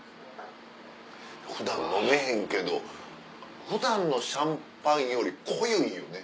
普段飲めへんけど普段のシャンパンより濃ゆいよね。